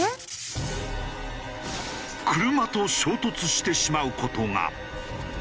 車と衝突してしまう事が。